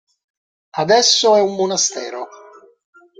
Adesso è un monastero.